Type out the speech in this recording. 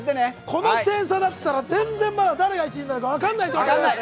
この点差だったら、全然まだ誰が１位になるか分からない展開です。